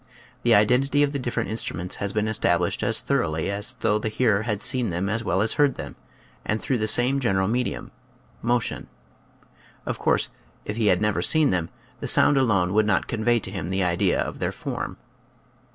The identity of the different instruments has been established as thoroughly as though the hearer had seen them as well as heard them and through the same general medium, motion. Of course, if he never had seen them, the sound alone would not convey to him the idea of their form.